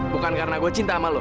bukan karena gue cinta sama lo